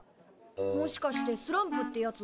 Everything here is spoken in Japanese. もしかしてスランプってやつ？